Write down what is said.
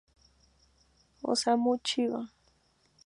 Osamu Chiba